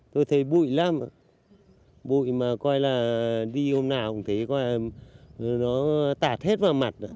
tôi thấy bụi lắm bụi mà coi là đi hôm nào cũng thấy nó tạt hết vào mặt